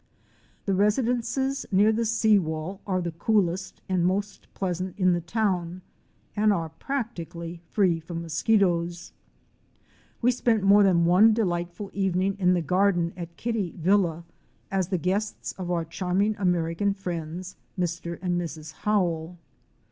The residences near the sea wall are the coolest and most pleasant in the town and are practically free from mosquitoes. We spent more than one delightful evening in the garden at Kitty Villa as the guests of our charming American friends, Mr. and Mrs. Howell.